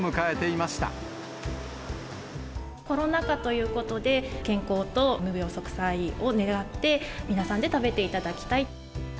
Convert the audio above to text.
コロナ禍ということで、健康と無病息災を願って、皆さんで食べていただきたい。